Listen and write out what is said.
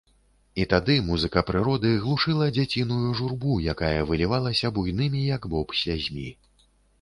І тады музыка прыроды глушыла дзяціную журбу, якая вылівалася буйнымі, як боб, слязьмі.